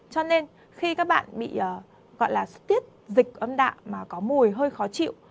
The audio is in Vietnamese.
cho nên khi các bạn bị gọi là suất tiết dịch âm đạo mà có mùi hơi khó chịu